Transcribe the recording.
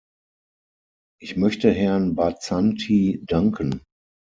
Ich möchte Herrn Barzanti danken.